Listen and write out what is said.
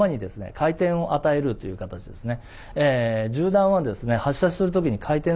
回転を与えるという形ですね。